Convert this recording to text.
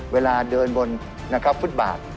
เวลาเดินบนนะครับฟุตบาท